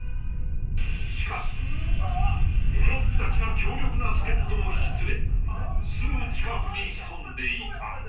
［しかし黒服たちが強力な助っ人を引き連れすぐ近くに潜んでいた］